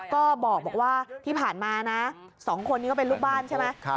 ก็บอกว่าที่ผ่านมานะ๒คนนี้ก็เป็นลูกบ้านใช่ไหม